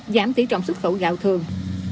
giảm tỷ trọng xuất khẩu gạo thường